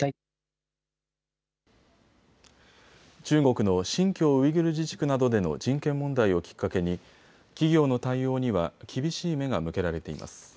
中国の新疆ウイグル自治区などでの人権問題をきっかけに企業の対応には厳しい目が向けられています。